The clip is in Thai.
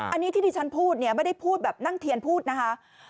อันนี้ที่ที่ฉันพูดเนี่ยไม่ได้พูดแบบนั่งเทียนพูดนะคะ